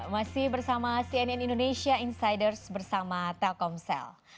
masih bersama cnn indonesia insiders bersama telkomsel